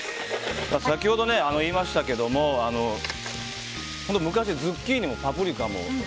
先ほど言いましたけども昔、ズッキーニもパプリカも。